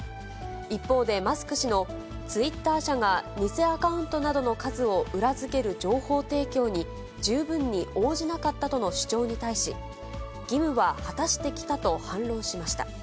一方で、マスク氏のツイッター社が偽アカウントなどの数を裏付ける情報提供に十分に応じなかったとの主張に対し、義務は果たしてきたと反論しました。